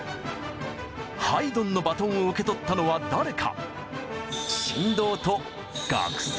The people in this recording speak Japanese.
ハイドンのバトンを受け取ったのは誰か？